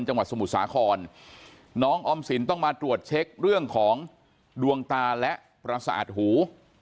จังหวัดสมุทรสาครน้องออมสินต้องมาตรวจเช็คเรื่องของดวงตาและประสาทหู